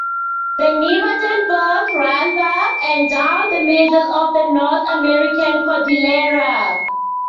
The Nevadan belt runs up and down the middle of the North American Cordillera.